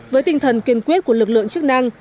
với tinh thần kiên quyết của lực lượng chức năng